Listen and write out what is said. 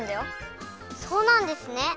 そうなんですね。